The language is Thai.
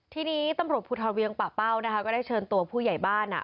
ทีนี้ตำรวจภูทรเวียงป่าเป้านะคะก็ได้เชิญตัวผู้ใหญ่บ้าน